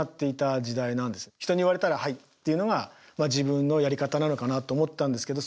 人に言われたら「はい」っていうのが自分のやり方なのかなと思ったんですけど